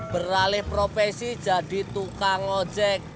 beralih profesi jadi tukang ojek